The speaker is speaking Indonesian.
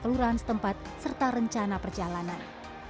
kelurahan setempat serta rencana perjalanan